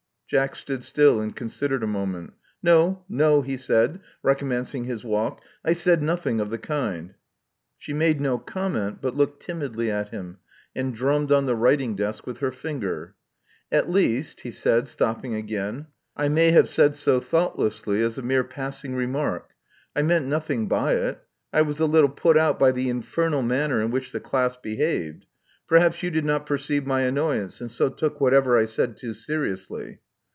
" Jack stood still and considered a moment. ''No, no," he said, recommencing his walk, I said nothing of the kind." She made no comment, but looked timidly at him, and drummed on the writing desk with her finger. At least," he said, stopping again, '*I may have said so thoughtlessly — as a mere passing remark. I meant nothing by it. I was a little put out by the infernal manner in which the cla^s behaved. Perhaps you did not perceive my annoyance, and so took what ever I said too seriously."